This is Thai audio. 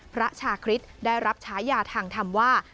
พระชาคริสต์ได้รับฉายาทางธรรมว่า